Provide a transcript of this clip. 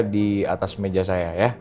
di atas meja saya ya